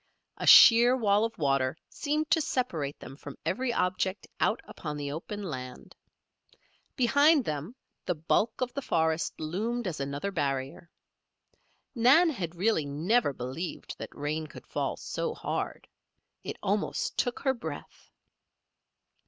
A sheer wall of water seemed to separate them from every object out upon the open land. Behind them the bulk of the forest loomed as another barrier. Nan had really never believed that rain could fall so hard. It almost took her breath.